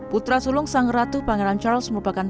putra sulung sang ratu pangeran charles merupakan